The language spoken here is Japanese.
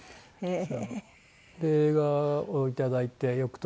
ええ。